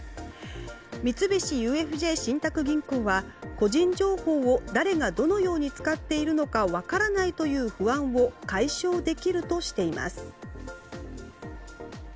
三菱ＵＦＪ信託銀行は個人情報を誰がどのように使っているのか分からないという不安を解消できるとしています。